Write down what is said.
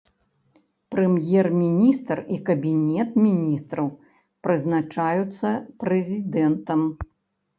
Прэм'ер-міністр і кабінет міністраў прызначаюцца прэзідэнтам.